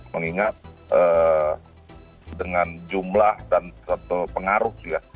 mengingat dengan jumlah dan satu pengaruh ya